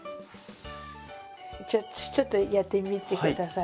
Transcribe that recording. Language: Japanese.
じゃあちょっとやってみて下さい。